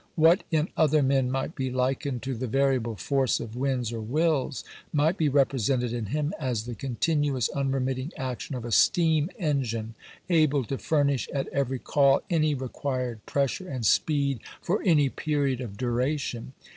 What in other men might be likened to the vari able force of winds or wills, might be represented in him as the continuous, unremitting action of a steam engine, able to furnish at every call any re quired pressure and speed for any period of dura tion.